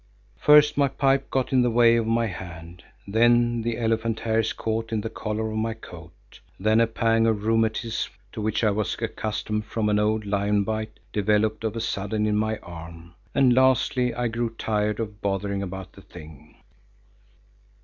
First my pipe got in the way of my hand, then the elephant hairs caught in the collar of my coat; then a pang of rheumatism to which I was accustomed from an old lion bite, developed of a sudden in my arm, and lastly I grew tired of bothering about the thing.